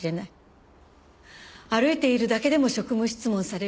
歩いているだけでも職務質問される。